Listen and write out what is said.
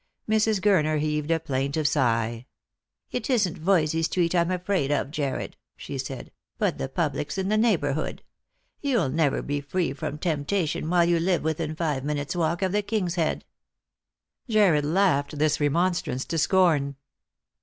Mrs. Gurner heaved a plaintive sigh. " It isn't Voysey street I'm afraid of, Jarred," she said, " but Ihe publics in the neighbourhood. You'll never be free from temptation while you live within five minutes' walk of th4 King's Head." Jarred laughed this remonstrance to scorn.